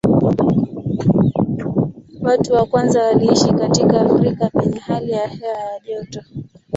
Watu wa kwanza waliishi katika Afrika penye hali ya hewa ya joto.